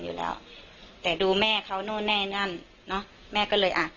อยู่แล้วแต่ดูแม่เขานู่นแน่นั่นเนอะแม่ก็เลยอ่ะ